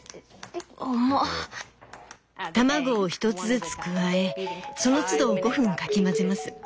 「卵を１つずつ加えそのつど５分かき混ぜます」だって。